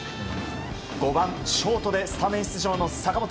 ５番、ショートでスタメン出場の坂本。